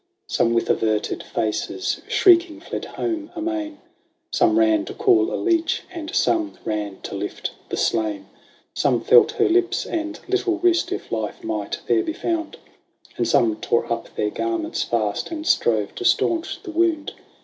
Some with averted faces shrieking fled home amain ; Some ran to call a leech ; and some ran to lift the slain : Some felt her lips and little wrist, if life might there be found ; And some tore up their garments fast, and strove to stanch the wound.